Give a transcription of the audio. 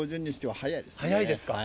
早いですか？